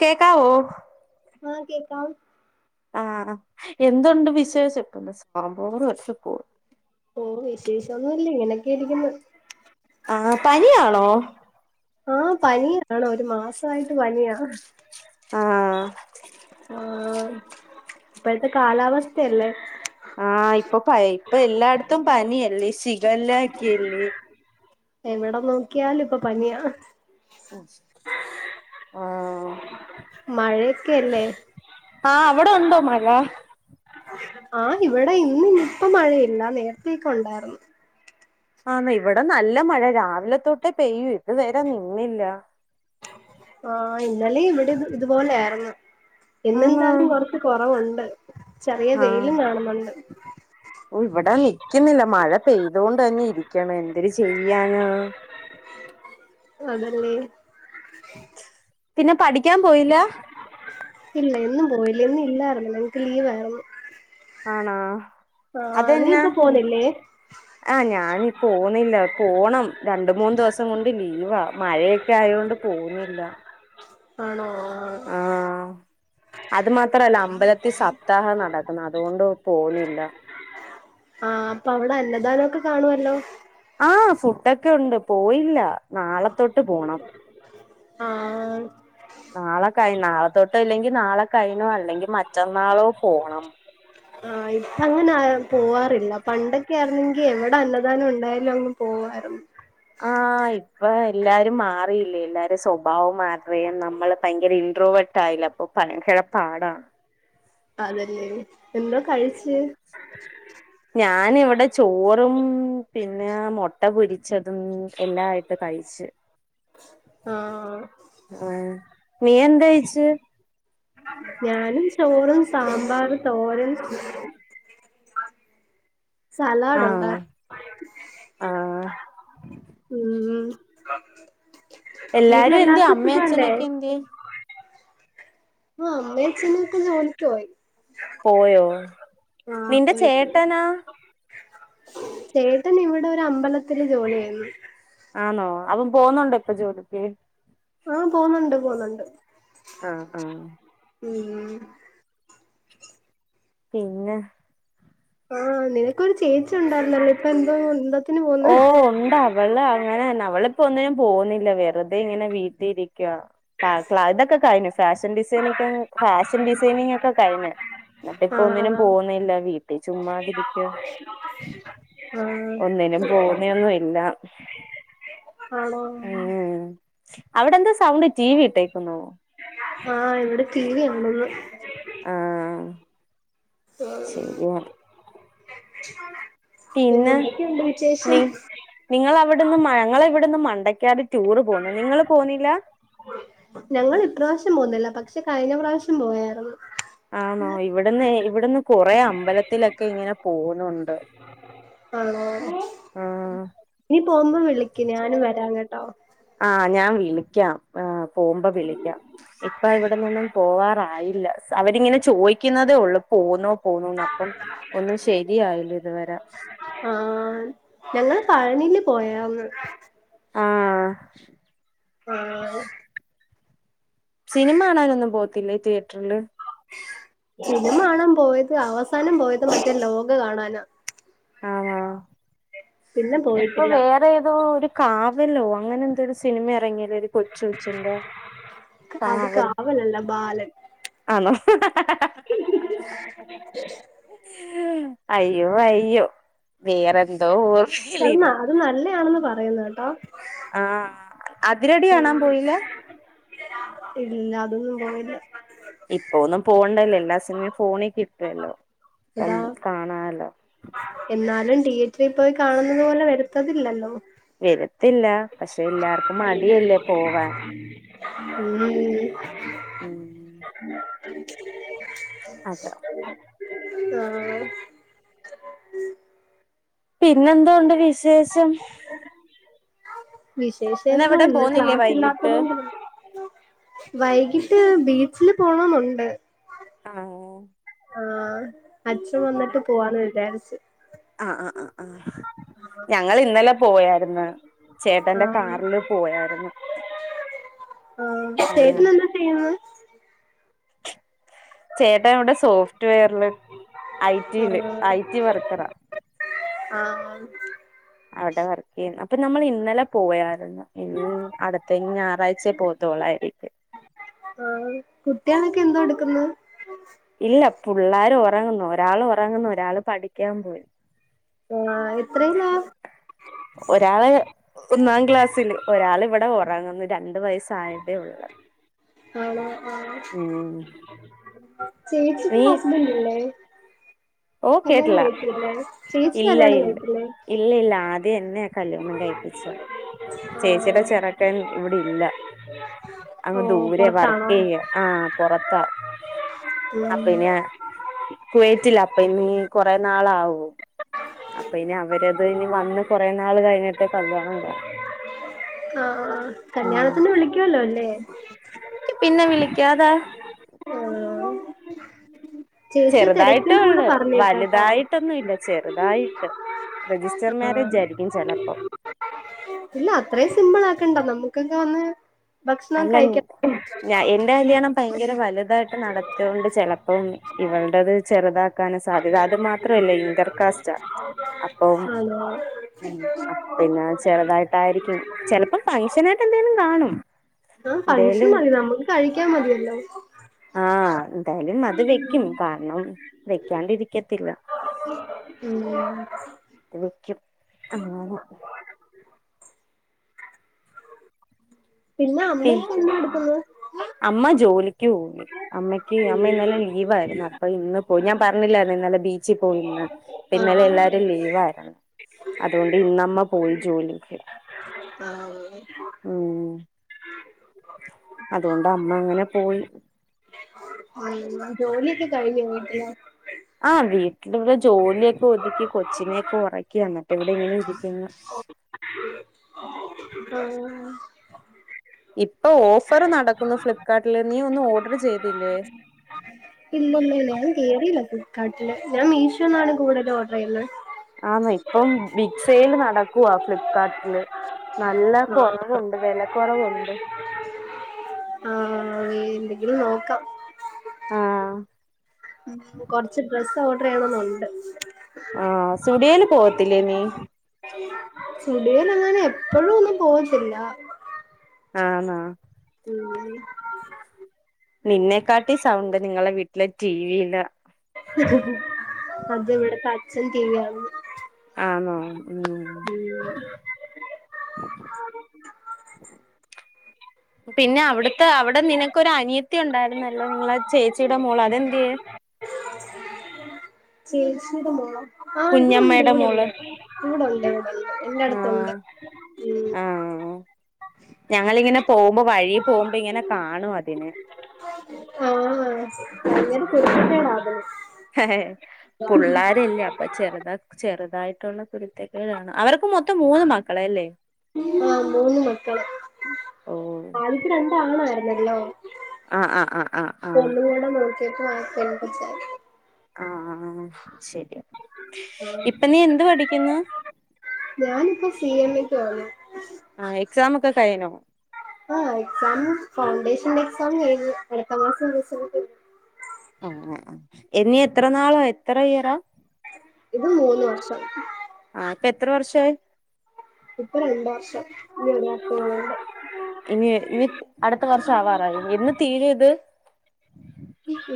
കേക്കാവോ? ആഹ് കേക്കാം. ആഹ് എന്തൊണ്ട് വിശേഷം? ഓഹ് വിശേഷൊന്നുല്ല, ഇങ്ങനെയൊക്കെ ഇരിക്ക്ന്ന്. ആഹ് പനിയാണോ? ആഹ് പനിയാണ്, ഒരു മാസായിട്ട് പനിയാ. ആഹ് ആഹ് ഇപ്പഴത്തെ കാലാവസ്ഥയല്ലേ? ആഹ് ഇപ്പൊ ഇപ്പൊ എല്ലായിടത്തും പനിയല്ലേ ശിഖല്ല ഒക്കെ അല്ലെ? എവിട നോക്കിയാലു ഇപ്പൊ പനിയാ. ആഹ്. മഴയൊക്കെയല്ലേ ആഹ് അവിടൊണ്ടോ മഴ? ആഹ് ഇവിടെ ഇന്ന് ഇ ഇപ്പ മഴയില്ല നേരത്തേക്കെ ഉണ്ടായിരുന്നു. ആന്നേ ഇവിടെ നല്ല മഴ രാവിലെ തൊട്ടേ പെയ്യുവാ ഇതുവരെ നിന്നില്ല. ആഹ് ഇന്നലെയും ഇവിടെ ഇതുപോലെ ആയിരുന്നു ആന്ന് ഇന്നെന്താലും കൊറച്ച് കൊറവുണ്ട്. ചെറിയ ആഹ് വെയിലും കാണുന്നുണ്ട്. ഓഹ് ഇവിടെ നിക്കുന്നില്ല മഴ പെയ്തോണ്ട് തന്നെ ഇരിക്കാണ് എന്തര് ചെയ്യാനാ? അതന്നെ. പിന്നെ പഠിക്കാൻ പോയില്ലാ? ഇല്ല ഇന്നും പോയില്ല ഇന്നു ഇല്ലായിരുന്ന് ഞങ്ങക്ക് ലീവായിരുന്നു. ആണോ ആഹ് നീ അതെന്നാ? ഇപ്പൊ പോന്നില്ലേ ആഹ് ഞാനിപ്പോ പോന്നില്ല പോണം രണ്ട് മൂന്ന് ദിവസം കൊണ്ട് ലീവാ മഴയെ ക്കെ ആയോണ്ട് പോകുന്നില്ല. ആണോ ആഹ് ആഹ് അത് മാത്രമല്ല അമ്പലത്തിൽ സപ്താഹം നടക്കുന്ന് അതുകൊണ്ട് പോന്നില്ല. ആഹ് അപ്പോ അവിടെ അന്നദാനമൊക്കെ കാണുവല്ലോ? ആഹ് ഫുഡ്ഡൊക്കെ ഉണ്ട് പോയില്ല നാളത്തൊട്ട് പോണം. ആഹ് നാളെ കയ് നാളെ തൊട്ടോ അല്ലെങ്കി നാളെ കയ്നോ അല്ലെങ്കിൽ മറ്റന്നാളോ പോണം. ആഹ് ഇപ്പ അങ്ങനെ പോവാറില്ല പണ്ടൊക്കെ ആരുന്നെങ്കിൽ എവിടെ അന്നദാനം ഉണ്ടായാലും അങ്ങ് പോവാർന്നു. ആഹ് ഇപ്പോ എല്ലാരും മാറിയില്ലേ എല്ലാരും സ്വ ഭാവം മാറി നമ്മള് ഭയങ്കര ഇൻട്രോവെട്ട് ആയില്ല അപ്പോ ഭയങ്കര പാടാ. അതന്നെ എന്തോ കഴിച്ച്? ഞാനിവിടെ ചോറും പിന്നെ മുട്ട പൊരിച്ചതും എല്ലായിട്ട് കഴി ച്ച്. ആഹ് ആഹ് നീ എന്ത്‌ കഴിച്ച്? ഞാനും ചോറും സാമ്പാറ്, തോരൻ സലാഡ് ആഹ് ഒണ്ടാരുന്നു. ആഹ് ഉം വീട്ടില് എല്ലാരും എന്ത്യേ എല്ലാർക്കും അമ്മേ സുഖല്ലേ? അച്ഛനൊക്കെ എന്ത്യേ ആഹ് അമ്മേം അച്ഛനുമൊക്കെ ജോലിക്ക് പോയി. പോയോ ആഹ് നിന്റെ പോയി പോയി ചേട്ടനാ? ചേട്ടൻ ഇവിടെ ഒരു അമ്പലത്തില് ജോലി ചെയ്യുന്നു. ആന്നോ അവൻ പോകുന്നുണ്ടോ ഇപ്പോ ജോലിക്ക്? ആഹ് പോന്നുണ്ട് പോന്നുണ്ട്. ആഹ് ആഹ് ഉം പിന്നെ? ആഹ് നിനക്കൊരു ചേച്ചി ഉണ്ടായിരുന്നല്ലോ ഇപ്പോ എന്തോ [unintelligible] ഓഹ് ഉണ്ട് അവ വള് അങ്ങനന്നെ അവളിപ്പോ ഒന്നിനും പോകുന്നില്ല വെറുതെ ഇങ്ങനെ വീട്ടിരിക്കുവാ. ക്ലാ ക്ലാ ഇതൊക്കെ കഴിഞ്ഞു ഫാഷൻ ഡിസൈനിക്ക് ഫാഷൻ ഡിസൈനിങ്ങൊക്കെ കഴിഞ്ഞു. ന്നിട്ടിപ്പോ ഒന്നിനും ആഹ് പോകുന്നില്ല വീട്ടി ചുമ്മാതിരിക്കാ. ആഹ് ഒന്നിനും പോകുന്നേയൊന്നുല്ല. ആഹ് ആണോ ഉം അവിടെന്താ സൗണ്ട് ടി വി ഇട്ടേക്കുന്നോ? ആഹ് ഇവിടെ ടി വി ഇണ്ടെന്ന്. ആഹ് [unintelligible] പിന്നെ എന്തൊക്കെയുണ്ട് വിശേഷം നീ നിങ്ങളവിടുന്ന് മ ഞങ്ങളെവിടെന്ന് മണ്ടയ്ക്കാട് ടൂറ് പോകുന്നു. നിങ്ങള് പോകുന്നില്ല? ഞങ്ങളിപ്രാവശ്യം പോകുന്നില്ല പക്ഷെ കഴിഞ്ഞ പ്രാശ്യം പോയായിരുന്നു. ആണോ? ഇവിടന്നെ ഇവിടന്ന് കൊറേ അമ്പലത്തിലൊക്കെ ഇങ്ങനെ പോവുന്നുണ്ട്. ആണോ? ആഹ് നീ പോകുമ്പോ വിളിക്ക് ഞാനും വരാം കെട്ടോ. ആഹ് ഞാൻ വിളിക്കാം. ആഹ് പോകുമ്പോ വിളിക്കാം. ഇപ്പ ഇവിടന്നൊന്നും പോവാറായില്ല. അവരിങ്ങനെ ചോദിക്കുന്നതേയൊള്ളൂ. പോന്നോ പോന്നോന്നപ്പം ഒന്നും ശരിയായില്ല ഇതുവരെ. ആഹ് ഞങ്ങള് പഴനീല് പോയാർന്നു. ആഹ് ആഹ്. സിനിമ കാണാനൊന്നും പോകത്തില്ലേ തിയേറ്ററില്? സിനിമ കാണാപോയത് അവസാനം പോയത് മറ്റേ ലോക കാണാനാ. ആണോ? പിന്നെ ഇപ്പൊ പോയിട്ടില്ല വേറേതോ ഒരു കാവലോ അങ്ങനെന്തോരു സിനിമ ഇറങ്ങിയല്ലോ ഒരു കൊച്ച്കൊച്ചിന്റെ? കാവൽ വലല്ല ബാലൻ. ആണോ? അയ്യോ അയ്യോ വേറെന്തോ പക്ഷെ ഓർമയിലേന്നു. അത് അത് നല്ലയാണെന്ന് പറയുന്നുകെട്ടോ. ആഹ് അതിരടി കാണാൻ പോയില്ല? ഇല്ല അതൊന്നും പോയില്ല. ഇപ്പൊ ഒന്നും പോണ്ടല്ലോ എല്ലാ സിനിമയും ഫോണി കിട്ടുവല്ലോ? ഇപ്പം അതാ കാണാല്ലോ. എന്നാലും തിയേറ്ററീപോയി കാണുന്നത് പോലെ വരുത്തതില്ലല്ലോ? വരത്തില്ല. പക്ഷെ എല്ലാർക്കും മടിയല്ലേ പോവാൻ? ഉം. ഉം. [inaudible] അതെ. ആഹ് പിന്നെന്തുണ്ട് വിശേഷം? വിശേഷൊന്തുവാ ഇന്നെവിടേം ഇന്ന് പോന്നില്ലേ ക്ലാസ്സ് വൈകിട്ട് ഇല്ലാത്തത്കൊണ്ട് വൈകിട്ട് ബീച്ചില് പോണോന്നുണ്ട്. ആഹ്. ആഹ് അച്ഛൻ വന്നിട്ട് പോവാന്ന് വിചാരിച്ചു ആഹ് ആഹ് ആഹ് ആഹ് ഞങ്ങൾ ഇന്നലെ പോയായിരുന്നു ചേട്ടന്റെ ആഹ് കാറില് പോയായിരുന്നു ആഹ് ആണ് ചേട്ടന് എന്താ ചെയ്യുന്നത് ചേട്ടായി ഇവിടെ സോഫ്റ്റ് വെയറില് ഐടിയില് ആഹ് ഐ ടി വർക്കറാ ആഹ് അവിടെ വർക്ക് ചെയ്യുന്നു അപ്പൊ നമ്മൾ ഇന്നലെ പോയായിരുന്നു അടുത്ത ഞായറാഴ്ചയെ പോത്തോളായിരിക്കും ആഹ് കുട്ടിയാളൊക്കെ എന്തോ എടുക്കുന്നത് ഇല്ല പിള്ളാര് ഉറങ്ങുന്നു ഒരാൾ ഉറങ്ങുന്നു ഒരാള് പഠിക്കാൻ പോയി ആഹ് എത്രയില ഒരാള് ഒന്നാം ക്ലാസ്സില് ഒരാൾ ഇവിടെ ഉറങ്ങുന്നു രണ്ടു വയസ്സായട്ടേ ഉള്ളത് ആണോ ആഹ് ഉം ചേച്ചിക്കും നീ ഹസ്ബൻഡില്ലേ ഓ കല്യാണം കേട്ടില്ല കഴിച്ചിട്ടില്ലേ ചേച്ചി ഇല്ല കല്യാണം ഇല്ല കഴിച്ചിട്ടില്ലേ ഇല്ല ഇല്ല ആദ്യം എന്നെയാ കല്യാണം കഴിപ്പിച്ച ചേച്ചിയുടെ ആഹ് ചെറ്ക്കൻ ഇവിടെ ഇല്ല ഓ അങ്ങ് ദൂരെ വർക്ക് പൊറത്താണോ ചെയ്യാ ആഹ് പോറത്താ ഉം കുവേറ്റില്ല അപ്പൊ ഇനി കൊറെ നാളാവും അപ്പ ഇനി അവരത് ഇനി വന്ന് കൊറെ നാള് കഴിഞ്ഞിട്ട് കല്യാണം ഇണ്ടാ ആഹ് ഉം കല്യാണത്തിന് വിളിക്കൊല്ലോ അല്ലേ ക്കെ പിന്നെ വിളിക്കാതെ ആഹ് ചേച്ചിയെ ചെറുതായിട്ടേ തിരക്കിന്നും കൂടെ ഉള്ളു പറഞ്ഞേക്കാട്ടോ വലുതായിട്ടൊന്നും ഇല്ല ചെറുതായിട്ട് രജിസ്റ്റർ മാരേജ് ആയിരിക്കും ചെലപ്പം ഇല്ല അത്രയും സിമ്പിളാക്കണ്ട നമ്മുക്കൊന്താ വന്ന് ഭക്ഷണം അല്ല ൻ കഴിക്കാം [unintelligible] എന്റെ കല്യാണം ഭയങ്കര വലുതായിട്ട് നടത്തിയൊണ്ട് ചെലപ്പം ഇവൾടത് ചെറുതാ ക്കാനാ സാധ്യത അത് മാത്രല്ല ഇങ്കർകാസ്റ്റാ അപ്പം ആണോ അപ്പ പിന്നെ ചെറുതായിട്ടായിരിക്കും ചെലപ്പോ ഫങ്ഷനായിട്ട് എന്തെലും കാണും ആ ഫങ്ഷൻ എന്തേലും മതി നമ്മക്ക് കഴിക്കാൻ മതി ഇല്ലെ ആഹ് എന്തായാലും അത് വെക്കും കാരണം വെക്കാണ്ടിരിക്കത്തില്ല ഉം അത് വെക്കും അങ്ങനെ നീ എന്താ എട്ക്കുന്നത് അമ്മ ജോലിക്ക് പോയി അമ്മയ്ക്ക് അമ്മ ഇന്നലെ ലീവായിരുന്നു അപ്പ ഇന്ന് പോയി ഞാൻ പറഞ്ഞില്ലായിരുന്നോ ഇന്നലെ ബീച്ച് പോയിന്ന് ഇന്നലെ ആഹ് എല്ലാരും ലീവായിരുന്നു അതുകൊണ്ട് ഇന്നമ്മ പോയി ജോലിക്ക് [unintelligible] ഉം ഉ [inaudible] അതു കൊണ്ട് അമ്മ അങ്ങനെ പോയി ഉം ജോലിക്കെ കഴിഞ് വീട്ട്ലാ ആഹ് വീട്ടില് ഇവിടെ ജോലിയൊക്കെ ഒതുക്കി കൊച്ചിനെക്കെ ഒറക്കി വന്നിട്ട് ഇവിടെ ഇങ്ങനെ ഇരിക്ന്ന് ആഹ് ഇപ്പൊ ഓഫറ് നടക്കുന്നു ഫ്ലിപ്കാർട്ടില് നീ ഒന്നും ഓഡറ് ചെയ്തില്ലേ? ഇല്ലല്ല ഞാൻ കേറിയില്ല ഫ്ലിപ്കാർട്ടില് ഞാൻ മീഷോന്നാണ് കൂടുതലും ഓഡ്റ് ചെയ്യുന്നത് ആഹ് ഇപ്പം ബിങ് സൈല് നടക്കുവാ ഫ്ലിപ്കാർട്ടില് നല്ല കോറവുണ്ട് വേല കോറവുണ്ട് ആഹ് എന്തെങ്കിലും നോക്കാം ആഹ് ഉം കൊർച്ച് ഡ്രസ്സ് ഓഡ്റ് ചെയ്യണന്നുണ്ട് ആഹ് സ്റ്റുഡിയോല് പോവത്തില്ലേ നീ സ്റ്റുഡിയൊല് അങ്ങനെ എപ്പോഴും ഒന്നും പോവത്തില്ല ആന്നാ ഉം നിന്നെക്കാട്ടി സൗണ്ട് നിങ്ങളെ വീട്ടിലെ ടിവിലാ അത് ഇവിടെ പച്ഛൻ ടിവാണ്ന്ന് ആന്നോ ഉം [inaudible] പിന്നെ അവിട്ത്തെ അവിടെ നിനക്കൊരു അനിയത്തി ഉണ്ടായിരുന്നല്ലോ നിങ്ങളെ ചേച്ചിയുടെ മോള് അതെന്തെ? ചേച്ചിയുടെ മോളോ ആഹ് ഇവിടുണ്ട് കുഞ്ഞമ്മയുടെ ഇവിടുണ്ട് മോള് ഇവിടെണ്ട് ഇവിടെണ്ട് എന്റെ അടുത്തുണ്ട് ആഹ് ഉം ആഹ് ഞങ്ങളിങ്ങനെ പോകുമ്പോ വഴി പോകുമ്പോ ഇങ്ങനെ കാണും അതിനെ ആഹ് അങ്ങനെ കുര്തെക്കെടാ അവന് പുള്ളാരല്ലേ അ ചെറുത ചെറുതായിട്ടുള്ള കുരുത്തക്കേടാണ് അവര്ക്കും മൊത്തം മൂന്ന് മക്കള് എല്ലേ ആഹ് മൂന്ന് മക്കള് ഓ ആദ്യത്തെ രണ്ടാണായിരുന്നല്ലോ ആഹ് ആഹ് ആഹ് ആഹ് ആഹ് [unintelligible] നോക്കിയോല്ക്ക് [unintelligible] ആഹ് ശരിയാ ഇപ്പ നീ എന്ത് പഠിക്ക്യുന്നു ഞാന്പ്പോ സി എമ്ക്കോന്ന് ആഹ് എക്സാമൊക്കെ കഴിനോ ആഹ് എക്സാമ് ഫൗണ്ടേഷൻ എക്സാമ് കഴിഞ്ഞു അട്ത്ത മാസം റിസൾട്ട് അങ്ങനെ ആഹ് എന്നി എത്ര നാളാ എത്ര ഇയറാ ഇത് മൂന്ന് വർഷം ആഹ് ഇപ്പ എത്ര വർഷായി ഇപ്പോ രണ്ട് വർഷം ഇഞ്ഞ് ഒരു വർഷംക്കൂടെണ്ട് അട്ത്ത വർഷം ആവാറായി യെന്ന് തീരും ഇത് [unintelligible]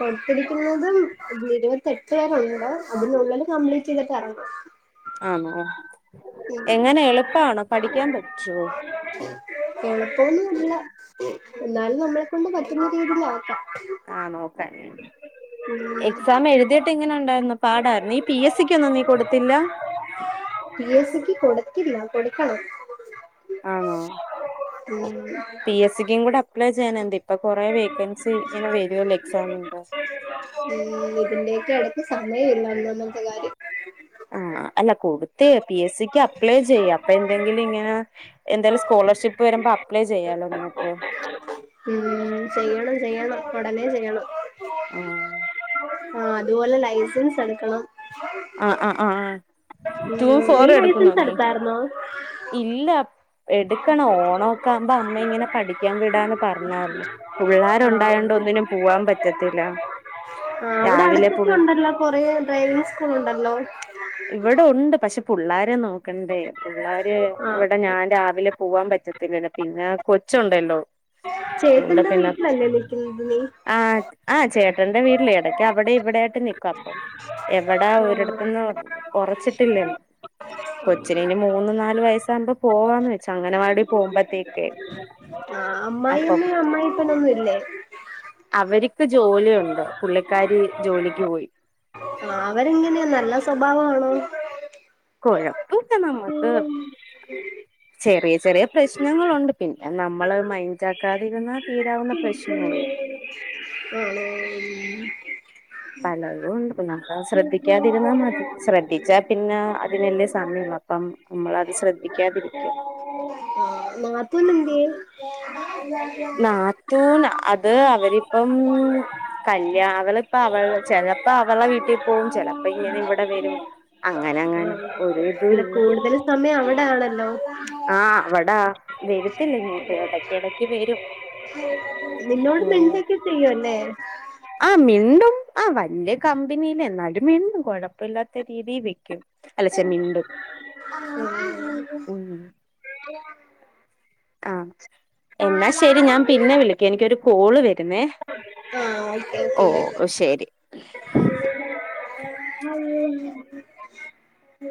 കൊട്ത്തിരിക്കുന്നതും ഇരു ഇരുവത്തി എട്ട് വരെ ഉണ്ട് അതിനുള്ളില് കംപ്ലീറ്റെയ്തിട്ട് എറ ആണോ എങ്ങനെ എളുപ്പാണോ പഠിക്ക്യാൻ പറ്റോ എളുപ്പവൊന്നും അല്ല എന്നാലും നമ്മളെ കൊണ്ട് പറ്റുന്ന രീതിയില് ആക്കാ ആഹ് നോക്കാ ഉം എക്സാം എഴുതി ട്ട് എങ്ങനെ ഇണ്ടാരുന്നു പാടാരുന്നോ നീ പി എസ് സിക്ക്യ് ഒന്നും നീ കൊടുത്തില്ല പി എസ് സിക്ക് കൊടുക്കില്ല കൊട്ക്കണം ആണോ ഉം പി എസ് സിക്കും കൂടെ അപ്ലൈ ചെയ്യന്നെ ദിപ്പൊ കൊറെ വേക്കൻസി ഇങ്ങനെ വെരൊല്ലോ എക്സാമിൻ ക്ലാസ്സ് ഉം ഇതിന്റെക്ക്യെ എടക്ക് സമയല്ല ഒന്നാമത്തെ കാര്യം ആഹ് അല്ല കൊട്ത്തെ പി എസ് സിക്ക് അപ്ലൈ ചെയ്യാ അപ്പന്തെങ്കിലും ഇങ്ങനെ എന്തായാലും സ്കോളർഷിപ്പ് വരുമ്പോ അപ്ലൈ ചെയ്യാലോ നിനക്ക് ആ ഉം ചെയ്യണം ചെയ്യണം ഒടനെ ചെയ്യണം ആഹ് ആഹ് അതുപോലെ ലൈസൻസ് എടുക്കണം ആഹ് ആഹ് ആഹ് ആഹ് ഉം നീ ലൈസൻസ് എട്ത്താര്ന്നോ ഇല്ല എട്ക്കണം ഓണൊക്കാവുമ്പോ അമ്മ ഇങ്ങനെ പഠിക്ക്യാൻ വിടാന്ന് പറഞ്ഞാരുന്നു ആഹ് പുള്ളാരുണ്ടായോണ്ട് ഒന്നിനും പോവാൻ പറ്റത്തില്ല ആഹ് അവടെ രാവിലെ പു അട്ത്തൊക്കെയുണ്ടാ [unintelligible] കൊറേ ഡ്രൈവിംഗ് സ് ക്കൂൾ ഇണ്ടല്ലോ ഇവടെ ഉണ്ട് പക്ഷെ പുള്ളാരെ നോക്കണ്ടേ പുള്ളാര് ആഹ് ഇവടെ ഞാൻ രാവിലെ പോവാൻ പ റ്റത്തില്ലല്ലോ പിന്നെ കൊച്ചുണ്ടല്ലോ അതുകൊണ്ട് ചേട്ടന്റെ പിന്നെ വീട്ടിലല്ലേ നിക്ക് ഇത് നീ ആഹ് ആഹ് ചേട്ടന്റെ വീട്ടില് എടയ്ക്ക് അവിടെം ഇവിടെയായിട്ട് നിക്കും അപ്പം ഇവടെ അവരട്ത്ത്ന്ന് ഒറച്ചിട്ടില്ലല്ലോ കൊച്ചിന് ഇനി മൂന്ന് നാല് വയസ്സാവുമ്പം പോവാന്ന് വെച്ചാ അംഗനവാടി പോവുമ്പത്തേ ആഹ് അമ്മായി അമ്മേം അമ്മായിപ്പനൊന്നും ഇല്ലേ അവര്ക്ക് ജോലിയുണ്ട് പുള്ളിക്കാരി ജോലിക്ക്യ് പോയി ആഹ് അവരെങ്ങനെയാ നല്ല സ്വഭാവാണോ കൊഴപ്പുല്ല നമ്മക്ക് ഉ [unintelligible] ചെറിയ ചെറിയ പ്രശ്നങ്ങളുണ്ട് പിന്നെ നമ്മളത് മൈന്റാക്കാതിരുന്നാ തീരാവുന്ന പ്രശ്നങ്ങളുള്ളൂ ആണോ പലതും ഉണ്ട് പ്പോ നമ്മ ശ്രദ്ധിക്കാതിരുന്നാ മതി ശ്രദ്ധിച്ചാ പിന്നെ അതിനല്ലേ സമയുള്ളൂ അപ്പം നമ്മളത് ശ്രദ്ധിക്കാതിരിക്കും ആഹ് നാത്തൂനെന്ത്യേ നാത്തൂന് അത് അവരിപ്പം കല്യാണം അവളിപ്പ അവൾ ചെലപ്പോ അവളെ വീട്ടിപോകും ചെലപ്പോ ഇങ്ങനെ ഇവിടെ വരും അങ്ങനെങ്ങനാ ആഹ് ഒരു ഇതും അല്ല ഇല്ല കൂടുതൽ സമയം അവിടെ ആണല്ലോ ആഹ് അവിടാ വരത്തില്ല ഇങ്ങോട്ട് ഇടക്കിടക്ക് വരും [inaudible] നിന്നോട് മിണ്ടൊക്കെ ചെയ്യും അല്ലേ ആഹ് മിണ്ടും ആഹ് വല്യ കമ്പനിയില്ല എന്നാലും മിണ്ടും കൊഴപ്പയില്ലാത്ത രീതിയില് ക്ക്‌യും അല്ലച്ചമിണ്ടും [unintelligible] ആഹ് എന്നാ ശരി ഞാൻ പിന്നെ വിളിക്ക എനിക്കൊരു കോള് വരുന്നേ ആ ഓക്കെ ഓ ഓക്കെ ബൈ ബൈ ഹ് ശെരി [unintelligible]